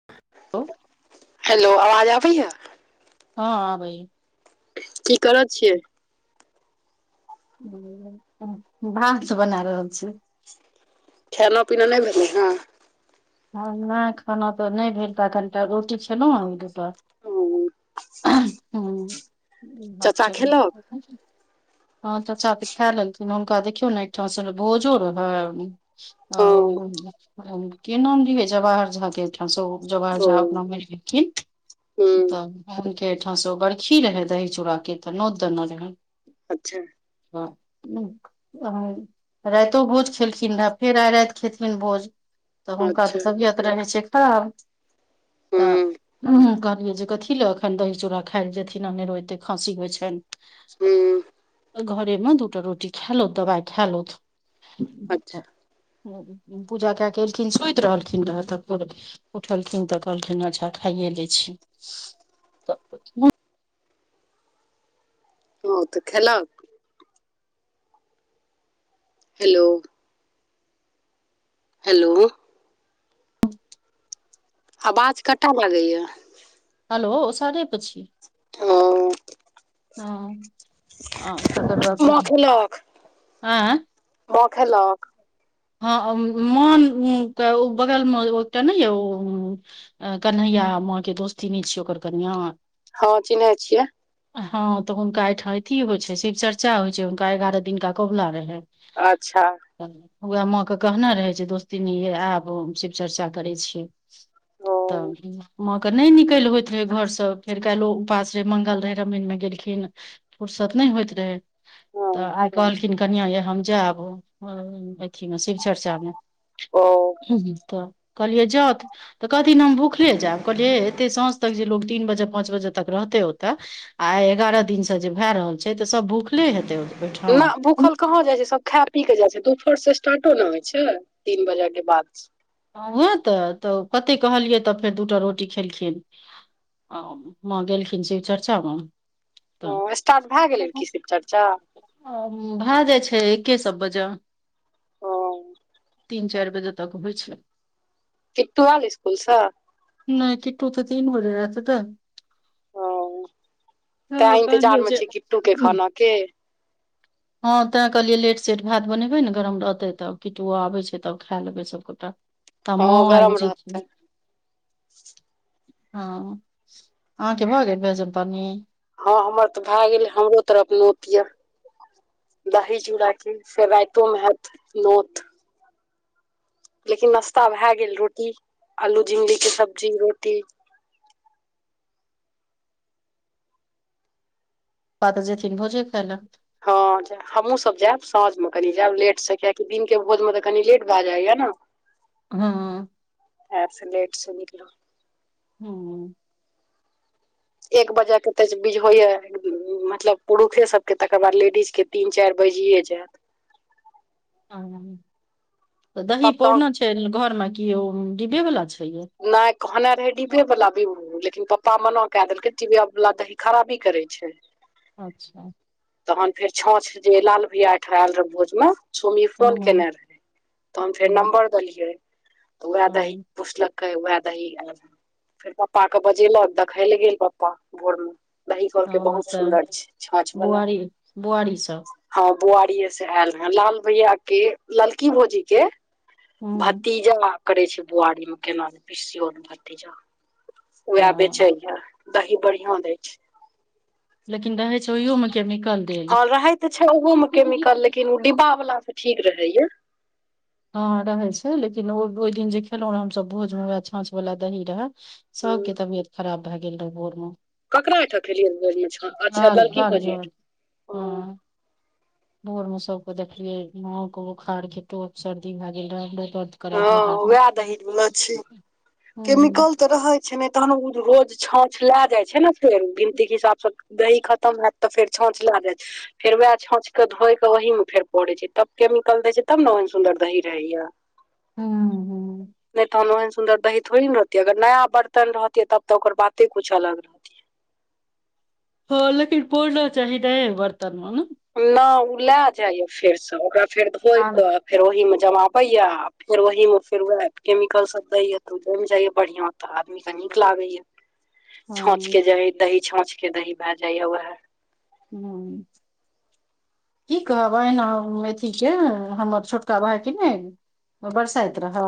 [unintelligible] [unintelligible] Hello आवाज आबैय हँ आबैय की करय छियै [unintelligible] भांस बना रहल छी खेना पीना नै भेलै हें ह नै खाना तऽ नै भेल ता कनिटा रोटी खेलौ हें ओ [unintelligible] [inaudible] चाचा खेलक ह चचा तऽ खै लेलखिन हुनका देखियौ न एकठां से भोजो रहय हँ ओ [unintelligible] के नाम लिये जवाहर झा कें अहिठाम से भोज जवाहर ओ झा अपना [unintelligible] गेलखिन हुँ तब हुनकेँ ओहिठां से ओ बर्खी रहै दही चूड़ा केँ तऽ नोत देने रहै अच्छा [unintelligible] राइतो भोज खेलखिन रहे फेर आइ राइत खेथिन भोज तऽ हुनका अच्छा तऽ तबियत रहैत छै खराब [inaudible] हुँ तऽ कहलिये जे कथी ले एखन दही चूड़ा खाय लऽ जेथिन अनेरो एते खाँसी होय छैन हुँ घरे में दूटा रोटी खाय लौथ दबाइ खाय लौथ [inaudible] अच्छा [inaudible] पूजा कै कऽ केलखिन सुइत रहलखिन रह तऽ उठलखिन तऽ कहलखिन अच्छा खाइये ले छी [unintelligible] हँ उऽ तऽ खेल कऽ हेलो हेलो आवाज कट लागैय हेलो ओसारे पर छि [unintelligible] माँ खेलक [unintelligible] माँ खेल कऽ हँ माँ के ओ बगलमे ओटा नै य ओ अ कन्हैया माँ के दोस्तीनी छै ओकर कानियाँ हँ चिन्है छियै हँ तऽ हुनका एहिठाम अथी होइ छै शिव चर्चा होइ छै हुनका एगारह दिनका कोबला रहै अच्छा तऽ उएह माँ कऽ कहने रहै जे दोस्तीनी ऐब शिव चर्चा करै छि ओ [inaudible] तऽ माँ कऽ नै निकैल होइत रहे घर स फेर काइलो उपास रहय मंगल रहय रामायण में गेलखिन फुुरसत नै होइत रहै हँ तऽ आइ कहलखिन कनिया यै हम जैब अथी मे शिव चर्चा मे ओ [inaudible] तऽ कहलियै जाउथ तऽ कहथिन हम भुखले जैब कहलियै हे एतेक साँझ तक जे लोको तीन बजे पाँच बजे तक रहतै ओतऽ आइ एगारह दिन से जे भए रहल छै तऽ सब भूखले हेतै ओ ओइठाम ना भूखल कहाँ जाइ छै सब खै पी के जाइ छै दुपहर से स्टार्टो न होइ छै तीन बजे केँ बाद हँ वैह तऽ तऽ कते कहलियै तऽ फेर दूटा रोटी खेलखिन माँ गेलखिन शिवचर्चा मऽ तऽ ओ स्टार्ट भए गेलै की शिव चर्चा भए जाइ छै एके सब बजअ ओ तीन चाइर बजे तक होइ छै किटु एल इसकुल सँ नई किट्टू तऽ तीन बजे ऐत नऽ ओ हँ तैं कहलियै इन्तजारमे जे छी किट्टू के हुँ खाना के हँ ते कहलियै लेट सेेट भात बनेबे नऽ गरम रहते तऽ कट्टूओ आबे छै तब खैय लेबे सब गेटा ता हँ माँओ आईब गरम जेत्थिन रहतै हँ अहाँ केँ भऽ गेल भोजन पानी हँ हमर तऽ भए गेल हमरो तरफ नोत य दही अच्छा, चूड़ा केँ फेर राइतो मे हैत नोत लेकिन नाश्ता भैय गेल रोटी आलू झिगली केँ सब्जी रोटी पपा तऽ जेथिन भोजे खाय लऽ हँब जेय हमहुँ सब जैब साँझ मऽ कनि जैब लेट सँ कियकि दिन केँ भोजमे तऽ कनि लेट भए जाइय नऽ हँ ओहै सँ लेट सँ निकलब हुँ एक बजे केँ तऽ बीज होइ यऽ मतलब पुरुखे सब केँ तकर बाद लेडीज केँ तीन चाइर बाजिये जैत हँ तऽ दही तब तऽ पौरना छै घर मऽ की ओ डिब्बे वला छै ये नय कहने रहय डिब्बे वाला विभू लेकिन पपा मना कै देलकै टिबिया वाला दही खराबी करै छै। अच्छऽ तहन फेर छाँछ जे लाल भैया अइठा ऐल रहै भोज मे सोमी हँ फोन हँ केने रहैय तहन फेर हँ नम्बर देलियै तऽ वैह दही हँ पुछलक कहै वैह दही ऐल‌ फेर पपा कऽ बजेलक देखै लऽ गेल पपा भोर मऽ दही कहलकै बहुत तऽ सुन्दर छै छाँछ वला। बुआरी बुआरी सब हँ बुआरीेए सँ ऐल रहैय लाल भैया केँ ललकी भौजी केँ हूँ भतीजा करय छै बुआरी मऽ केना नै पिसियौत भतीजा वैह हँ बेचै य दही बढ़िया दै छै। लेकिन रहै छौ ओहियोमे केमिकल देल हँ रहे तऽ छै ओहो मऽ केमिकल लेकिन ओ डिब्बा वाला सँ ठीक रहैय। हँ रहय छै लेकिन ओ ओइ दिन जे खेलो रहो हम सब भोजमे वैह छाँछ वाला दही रहै हूँ सबके तबियत खराब भए गेल रहै भोर मऽ ककरा ओहिठाम खेलियै भोज मे अच्छा हँ ललकी भौजी [unintelligible] ओहिठाम हँ भोर मऽ सब कऽ देखलियै नाक बोखार केँ टेक सर्दी भए गेल रहै [unintelligible] करैत हँ देह हँ हाँथ वएह मे दही मिलल छी हुँ केमिकल तऽ रहै छै नै तहन उ रोज छाँछ लए जाइ छै नऽ फेन गिनती केँ हिसाबसँ दही खतम हैत तऽ फेर छाँछ लेय जैत। फेर वैह छाँछ कऽ धोए कऽ ओहिमे फेर पोरैय छै तब केमिकल देै छै तब नऽ ओहन सुंंदर दही रहैय। हुँ नय तहन ओहन सुन्दर दही थोड़ी नऽ रहतिये अगर नया बर्तन रहतिये तब तऽ ओकर बाते कुछ अलग रहतियै हँ लेकिन पोरना चाहि नये बर्तन मे नऽ नै ओ लए जाइयै फेरसँ ओकरा फेर धोइ आर कऽ फेर ओहि मे जमाबय या फेर ओहिमे फेर वैह केमिकल सभ दय या ते जैम जाय या बढ़िया तऽ आदमी के नीक लागे या छाछ हँ के दही दही छाछ के दही भै जाय यै वएहे। हू कि कहबैन हम अथी के हमर छोटका भाय कि ने ओ बरसाइत रहय।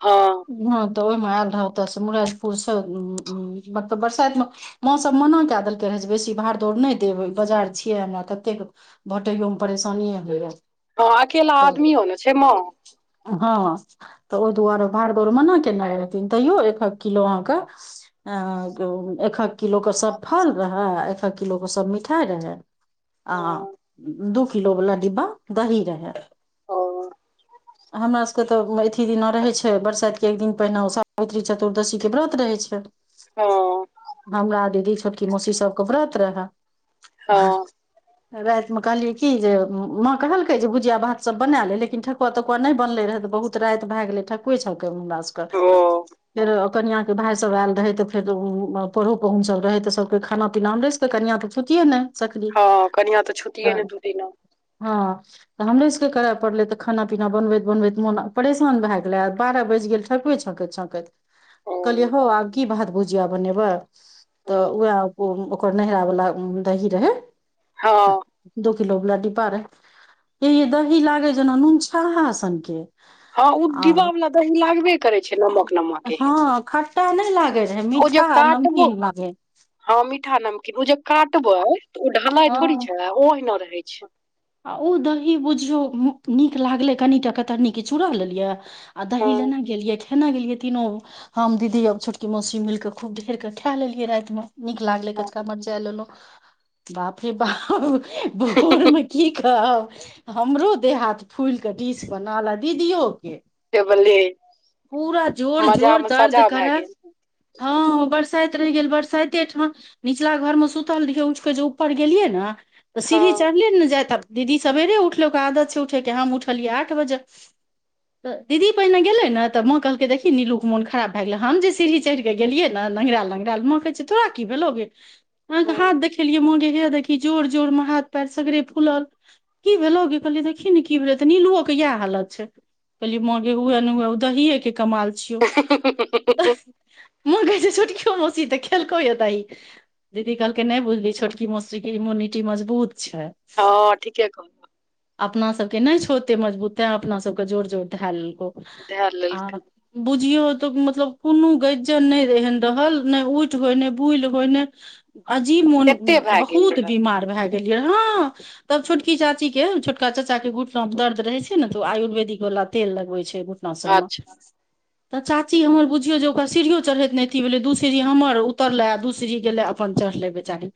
ह ह तऽ ओहिमे आयल रह ओतयसँ मुराइद पुरसँ उमम मतलब बरसाइत मे माँ सब मना के देलकै रहे जे बेसी भाड़ दौड़ नहि देबय बजार छियै ने हमरा ततेक बाटैयोमे परेशानिए होइ रहय हँ अकेला आदमी हो ने छै माँ ह हँ तऽ ओहि दुआरे भाड़दौर मना केने रहथिन तैयो एक एक किलो अहाँकेँ अ एक एकक किलो सभ फल रहए एकक किलो ओ सभ मिठाइ रहै आ ओ दू किलो वला डिब्बा दही रहै। हमरा सभ सभके तऽ मे अथी दिना रहै छै बरसाइतके एक दिन पहिने सावित्री चतुर्दशीके व्रत रहै छै हँ हमरा दीदी छोटकी मौसी सभके व्रत रहय। हँ हह रातिमे कहलियै की जे माँ कहलके जे भुजिया भात सभ बनै ले लेकिन ठक ठकुआ तकुआ तो नहि बनले रहे बहुत राति भए गेलै ठकुए छकैमे हमरा सभके ओ फेर कनिया के भाय सभ आएल रहय त फेर त उउहूमे पढ़ो पाहुन सभ रहय त सभके खाना पीना हमरे सभके छुतिये न हँ कनिया तऽ छुतिये ने दू दिना ह तऽ हमरे सभके करय पड़लै तऽ खाना पीना बनबैत बनबैत मोन परेशान भए गेलै आ बारह बाजि गेल ठकुए छाकैत छाकैत ओ कहलियै हौ आब कि भात भुजिया बनेबै तऽ उएह ओकर नरावला दही रहे ह दू किलो वला डिब्बा रहे हे यै दही लागे जेना नून छाहा सनके। हँ ओ डिब वाला दही लागबे करे छै नमक नमक एहन। मिटा नहि लागे रहे ओ जे मीठा काटबो नमदीन लागे। हँ मीठा नमकीन ओ जे काटबै तऽ ओ ढालै थोड़ी हँ छै ओहिना रहे। ओ दही बुझियौ नीक लागलै कनिटा कतरनीक चूड़ा लेलियै। आधा हल हँ नहि गेलियैख नै गेलियै तीननो। हम दीदी आब छोटकी मौसी मिल कऽ खूब ढर कऽ खए लेलियै।। रातिमे नीक लागले हँ कचका मरचाई लेलहु बाप हे बाप भोर मे। कि कहब हमरो देह हाथ फूल के डिश बनाल दीदियओ के। से बले पूरा जोर मजा जोर मे दर्द सजा भए करे गेल हँ बरसाइते रहि गेल बरसाइते ठमा। निचला घरमे सुतलि उठ कऽ जे ऊपर गेलियै ने तऽ हँ सीढ़ी। चढ़लियै ने जा तऽ दीदी सवेरे उठल आदत छै उठेके हम उठलियै आठ बजे। दीदी पहिने गेले न तऽ माँ कहलकै देखी नीलू के मोन खराब भए गेले हम जे सीढ़ी चढ़ गेल। गेलिय नहीरा लंगरा माँ कहै छै तोरा की भेलो गे। अहाँकेँ हँ हाथ देखेलियै मंगे हे देखी जोर जोर मे हाथ पएर सगरे खुलल कि भेलो कि कहलियै देखी ने कि भेलै तऽ नीलुओ के इएह हालत छै। पहिल मोके उए नहिए उह दही के। माँ कहै छैय [unintelligible] खेलको ए तहि दीदी कहलक नहि बुझली छोटकि मसुरी के इम्यूनिटी मजबूत छै। ह ठीके कह। अपना सभके नहि छोते मजबूते अपना सभके जोर जोर धए लेलको धए आ। लेलकै बुझियौ त मतलब कोनो गरिजन नहि एहन रहल नहि उठि होय नहि भूल होय नहि। अजीब मोन एते भए गेल बहुत रहे बीमार भए गेलियै ह तब छोटकी चाची के छोटका चाचा के गुट मे दर्द रहे छै ने तऽ ओ आयुर्वेदिक वाला तेल लगवे छै सुन अच्छा तऽ चाची हमर बुझियो जे ओकरा सीढ़ियो चढ़ैत नै अी भेलै दू सीढ़ी हमर उतरले आ दू सीढ़ी गेले। अपन चढ़ले बेचारी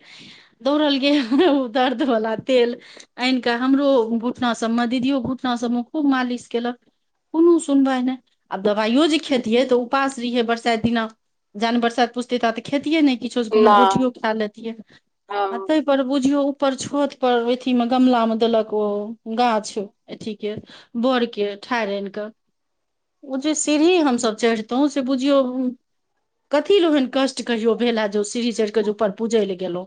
दौड़ल गे दर्द वाला तेल आनि कऽ हमरो घुटना सभमे दीदियो घुटना सभमे खूबकि मालिश केलक कोनो सुनबा नहि आब दबाइयो जे खेतियै तऽ उपास रहियै बरसाइत दिना। जान बरसात पु तऽ खेतिये ने किछो कोनो नहि गोठियो खा लेतियै हँ ताहि पर बुझियो ऊपर छोत। पर अथी मे गमला मे देलक ओ गाछ अथी के। बर के ठाइर आनि कऽ आ जे सीढ़ी हमसभ चढ़ितहुँ से बुझियौ। कथी लए ओहन कष्ट कहियो भेलए ज ओ सीढ़ी चढ़ि कऽ जे ऊपर पूजय लए गेलहु।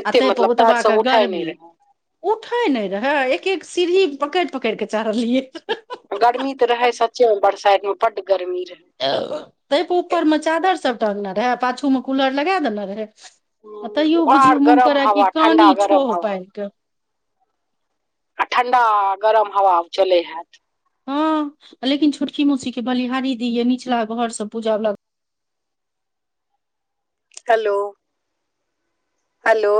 एते अते मतलब पहुतब पैर सब कऽ उठै नहि गर्मी रहै उठै नहि रहय एक एक सीढ़ी पकड़ि पकड़ि कऽ चढ़लियै। गर्मी तऽ रहे सच्चे मे बरसाड मे बड़ गर्मी रहे। ताहिप ऊपर मे चादर सभ टंगने रहे पाछू मे कूलर लगा देने रहे। आ तैयो उघार बुझियौ गरम मुननकोरा कऽ हवा ठण्डा कानी ठो गरम हवा पार कऽ। ठंडा गरम हवा चलै हैत। ह लेकिन छोटकी मोसी के बलिहारी दी ये निचला घर से पूजा वला। हेलो हेलो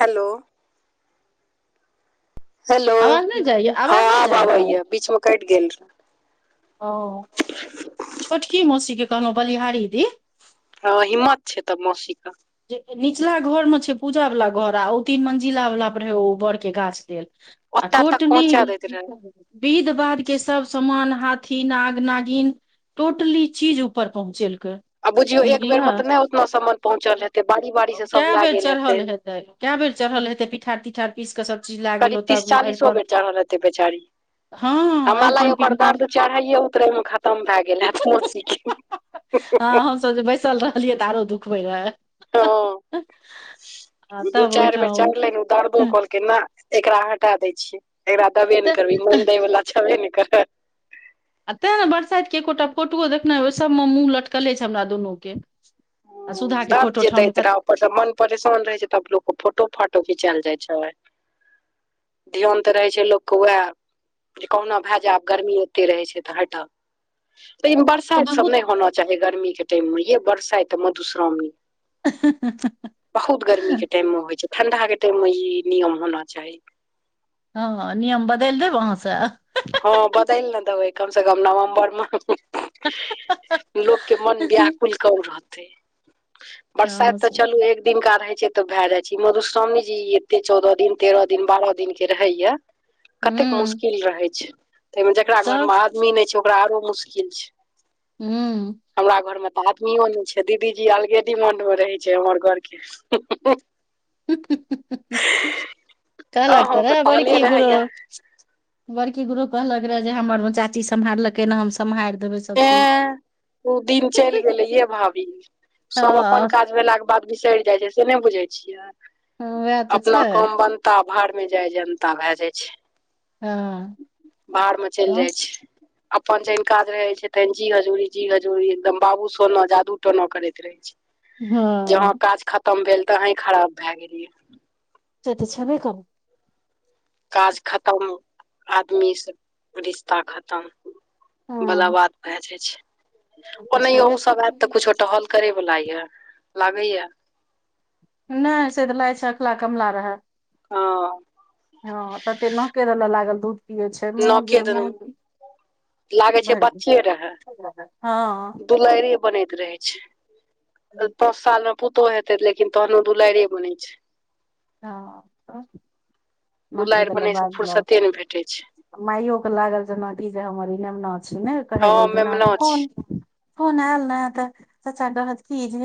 हेलो हेलो आवाज नहि जाइये ह आवाज नहि आब आबै जाइये य बीच मे कटि गेल रह ओ। [unintelligible] छोटकी मै शिक कहलहु बली हारीदी हैं हिम्मत छै तऽ मौसीके। जे निचला घर मे छै पूजा वला घर आ ओ तीन मंजिला वला पर रहै ओ बर के गाछ लेलऽ ओतऽ तक पहुँचा दैत रहे [unintelligible] विध बाध के सभ समान हाथी नाग नागिन टोटली चीज ऊपर पहुँचेलकै आ बुझियो एक बेर बुझलियै मे तऽ नहि ओतना सामान पहुंचल हेते बारी बारी से सभ कए लए बेर गेल चढ़ल हेते हेतै कए बेर चढ़ल हेते पिठार तिठार। पीस कऽ सब चीज लए गेल करीब तीस ओतऽ चालीसो अरिपन बेर चढ़ल रहतै बेचारी। हँ हमरा लागय हे अरिपन ओकर पिठार दर्द चढ़ाैए उतरै मे खतम भए गेल हैत मौसी के। ह हमस जे बैसल रहलियै तऽ आरो दुखबे रहे हा आ दू तब चारि बेर ओहिठाम चढ़लै ने ओ दर्दो केलके न एकरा हटा दै छियै एकरा देबे ने करबी तऽ ई मोइल दै वाला छबे ने करई आ ते आहे बरसाइत के एकोटा फोटोओ देखने हैवे सभमे मे मुँह लटकले छै हमरा दुनू के आ सुधाक के फोटो ठामे कत ता मन परेशान रहे छै तब लोक के फोटो फाटो घिंचायएल जाई छै ध्यान तऽ रहै छै लोक के वएह जे कहुना भए जायब गर्मी ओते रहै छै त हटाऊ त बरसाइत सभ बहुत नहि होना चाही गर्मी के टाइम मे यै बरसाइत मधुश्रावणी अ ह बहुत गर्मी के टाइम मे होई छै ठंडा के टाइम मे ई नियम होना चाही ह नियम बदलि देब अहाँ केँ ह बदल नहि देबै कम से कम नवम्बर मे लोक के मन व्याकुल कम रहते हँ बरसाइत तऽ से चलू एक दिन दिनका रहै छै तऽ भए जाई छै मधुश्रावी जी एते चौदह दिन तेरह दिन बारह दिन के रहैया कतेक हूँ मुश्किल रहै छै ताहिमे जकरा घर तब मे आदमी नहि छै ओकरा आरो मुश्किल छै हू। हमरा घर मे तऽ आदमियो नहि छै दीदी जी अलगे डिमाणंड मे रहे छै हमर घर के हू हू कहलक अहूँ के ताले रहैया [unintelligible] बड़की गुरु कहलक रहे जे हमर चाची सम्हारलकै नै हम सम्हारि देबे हे ओ दिन चलि गेलै ये भाभी सभ अपन हँ काज भेलाक के बाद बाद बिसरि जाइ छै से नहि बुझै छियै वएह तऽ छै अपना काम बन। नता भार मे जाय जनता भए जाई छै ह बाहर मे चलि जाई छै अपन जहन काज रहे छै तेन जी हजूरी जी हजूरी एकदम बाबू सोना जादू टना करे। जहा काज खतम भेल तही खराब भए गेल यै से तऽ छबे करय काज खतम आदमी से रिश्ता खतम। बला हँ बाद भऽ जाई छै ओ तऽ ओनाहीयो ओ छेबे सभ आयत तऽ करै। कुछो टहल करे वला ये लागे या नहि से तऽ लागै छै अखला कमला रहे ह ह तते नके रेलो लागल दू नके देलहु लागे छै बच्चे रहै ह दुलइरे बनैत रहै छै। साल मे पुतहु हेतै लेकिन तहनो दुलारि बनै छै [unintelligible] बुलारि बनैसँ फुरसते नहि भेटै छै माइयो के लागल जे ने जे हमर इमना छी ने हँ मेमना छै कहन फनल नहि तऽ चग ह कीज